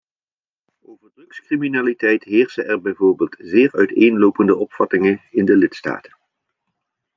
Over drugscriminaliteit heersen er bijvoorbeeld zeer uiteenlopende opvattingen in de lidstaten.